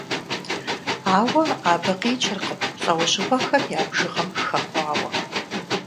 Ауэ абы къикӀыркъым лӀэужьыгъуэхэм я бжыгъэм хэхъуауэ.